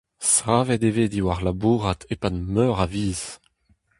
Savet e vez diwar labourat e-pad meur a viz.